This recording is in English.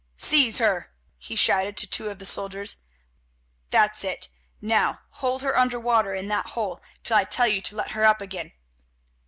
"Seize her," he shouted to two of the soldiers; "that's it; now hold her under water in that hole till I tell you to let her up again."